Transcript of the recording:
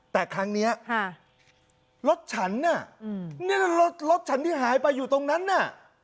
แต่ครั้งนี้รถฉันน่ะนี่รถรถฉันที่หายไปอยู่ตรงนั้นน่ะ